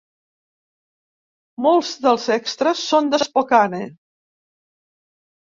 Molts dels extres són de Spokane.